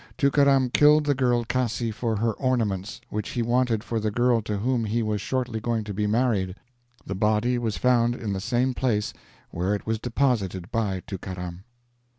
Tookaram killed the girl Cassi for her ornaments, which he wanted for the girl to whom he was shortly going to be married. The body was found in the same place where it was deposited by Tookaram."